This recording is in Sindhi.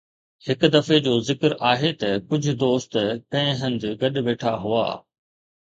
هڪ دفعي جو ذڪر آهي ته ڪجهه دوست ڪنهن هنڌ گڏ ويٺا هئا